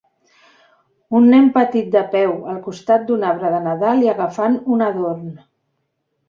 Un nen petit de peu al costat d"un arbre de Nadal i agafant un adorn.